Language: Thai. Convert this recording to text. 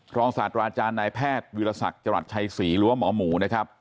ศาสตราจารย์นายแพทย์วิรสักจรัสชัยศรีหรือว่าหมอหมูนะครับ